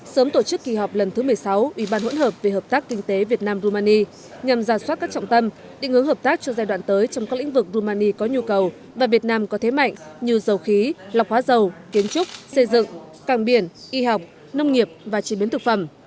sớm tổ chức kỳ họp lần thứ một mươi sáu ủy ban hỗn hợp về hợp tác kinh tế việt nam rumani nhằm giả soát các trọng tâm định hướng hợp tác cho giai đoạn tới trong các lĩnh vực rumani có nhu cầu và việt nam có thế mạnh như dầu khí lọc hóa dầu kiến trúc xây dựng càng biển y học nông nghiệp và chế biến thực phẩm